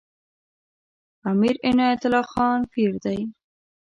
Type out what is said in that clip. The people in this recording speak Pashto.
امیر عنایت الله خان پیر دی.